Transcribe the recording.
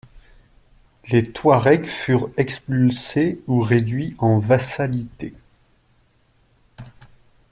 Les Touaregs furent expulsés ou réduits en vassalité.